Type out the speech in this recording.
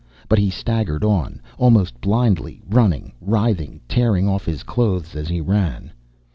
But he staggered on, almost blindly, running, writhing, tearing off his clothes as he ran.